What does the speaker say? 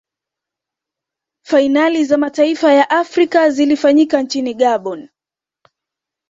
fainali za mataifa ya afrika zilifanyika nchini gabon